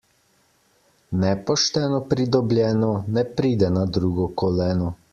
Nepošteno pridobljeno ne pride na drugo koleno.